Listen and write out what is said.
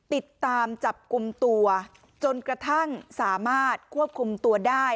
ติดตามจับกลุ่มตัวจนกระทั่งสามารถควบคุมตัวได้